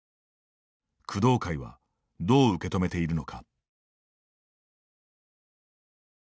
工藤会はどう受け止めているのか。